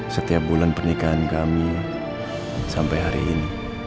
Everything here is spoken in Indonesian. setiap bulan pernikahan kami sampai hari ini